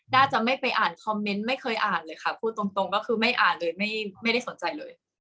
้าจะไม่ไปอ่านคอมเมนต์ไม่เคยอ่านเลยค่ะพูดตรงก็คือไม่อ่านเลยไม่ได้สนใจเลย